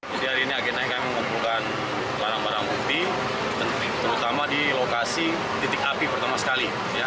jadi hari ini agennya akan mengumpulkan barang barang bukti terutama di lokasi titik api pertama sekali